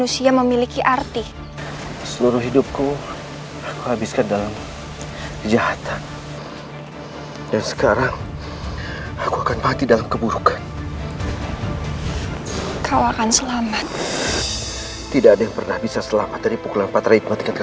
sampai jumpa di video selanjutnya